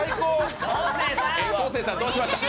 昴生さん、どうしました？